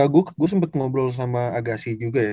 gue sempet ngobrol sama agasi juga ya